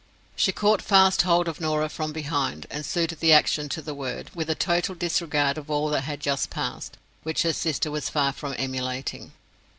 She caught fast hold of Norah from behind, and suited the action to the word, with a total disregard of all that had just passed, which her sister was far from emulating.